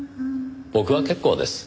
僕は結構です。